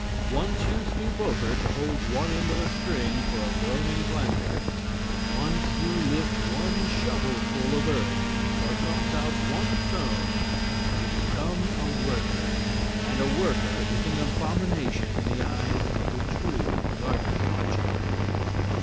Once you stoop over to hold one end of a string for a groaning planter, once you lift one shovelful of earth or toss out one stone, you become a worker and a worker is an abomination in the eyes of the true garden watcher.